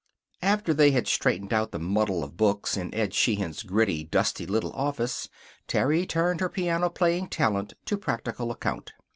After they had straightened out the muddle of books in Ed Sheehan's gritty, dusty little office Terry turned her piano playing talent to practical account.